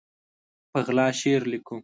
په غلا شعر لیکو